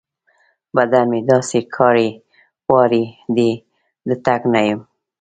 بدن مې داسې کاړې واړې دی؛ د تګ نه يم.